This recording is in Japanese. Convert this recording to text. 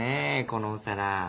このお皿。